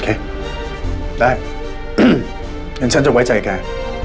ได้งั้นฉันจะไว้ใจแก